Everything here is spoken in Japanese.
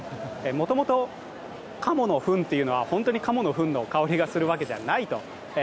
もともと鴨のふんというのは、本当に鴨のふんの香りがするわけじゃないと。